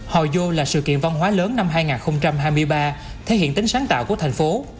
hồi vô là sự kiện văn hóa lớn năm hai nghìn hai mươi ba thể hiện tính sáng tạo của thành phố